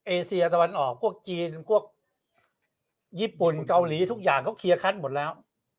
เอเซียตะวันออกพวกจีนพวกญี่ปุ่นเกาหลีทุกอย่างเขาเคลียร์คัดหมดแล้ว